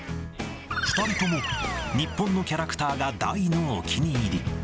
２人とも、日本のキャラクターが大のお気に入り。